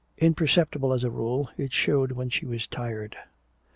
Imperceptible as a rule, it showed when she was tired.